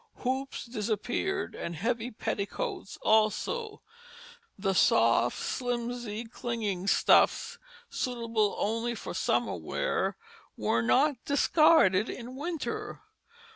Hoops disappeared and heavy petticoats also; the soft slimsy clinging stuffs, suitable only for summer wear, were not discarded in winter.